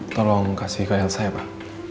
tolong kasih ke elsa ya pak